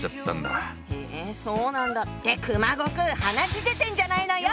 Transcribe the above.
へそうなんだって熊悟空鼻血出てんじゃないのよ！